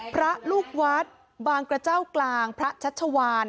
พระลูกวัดบางกระเจ้ากลางพระชัชวาน